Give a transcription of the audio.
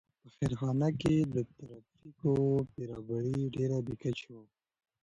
په خیرخانه کې د ترافیکو بېروبار ډېر بې کچې و.